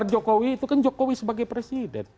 jokowi itu kan jokowi sebagai presiden